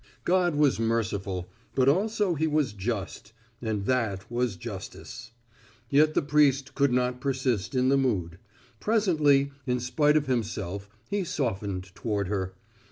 God was merciful, but also he was just, and that was justice. Yet the priest could not persist in the mood. Presently, in spite of himself he softened toward her.